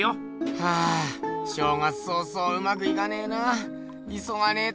はあ正月早々うまくいかねえないそがねえと